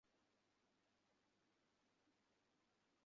ফলে হাটে গিয়ে কোরবানির পশু কেনা তাঁদের জন্য বিরাট ঝক্কির ব্যাপার।